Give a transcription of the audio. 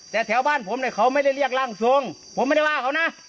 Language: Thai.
แต่แถวบ้านผมเนี่ยเขาไม่ได้เรียกร่างทรงผมไม่ได้ว่าเขานะ